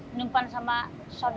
menumpang sama saudara